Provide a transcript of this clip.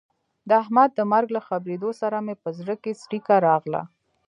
د احمد د مرګ له خبرېدو سره مې په زړه کې څړیکه راغله.